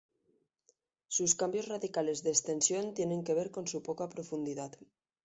Sus cambios radicales de extensión tienen que ver con su poca profundidad.